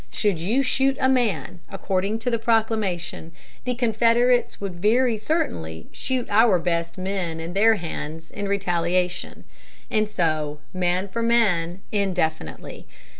Should you shoot a man, according to the proclamation, the Confederates would very certainly shoot our best men in their hands, in retaliation; and so, man for man, indefinitely.